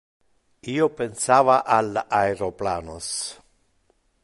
Io pensava al aeroplanos.